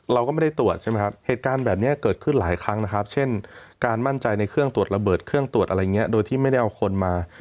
เราก็ไม่ได้ตรวจใช่ไหมครับเหตุการณ์แบบนี้เกิดขึ้นหลายครั้งนะครับเช่นการมั่นใจในเครื่องตรวจระเบิดเครื่องตรวจอะไรอย่างนี้โดยที่ไม่ได้เอาคนมา